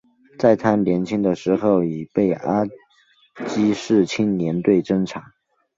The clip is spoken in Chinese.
在他年轻的时候已被阿积士青年队侦察。